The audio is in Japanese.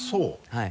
はい。